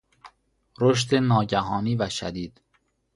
رشد ناگهانی و شدید